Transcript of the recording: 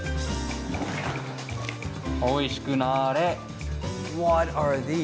おいしくなれ。